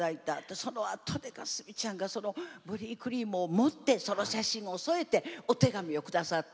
そのあと、佳純ちゃんがボディークリームを持ったその写真を添えてお手紙をくださった。